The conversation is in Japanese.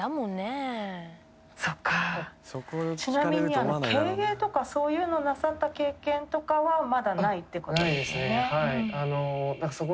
ちなみに経営とかそういうのなさった経験とかはまだないってことですね。